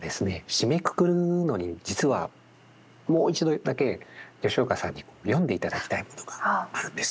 締めくくるのに実はもう一度だけ吉岡さんに読んでいただきたいものがあるんです。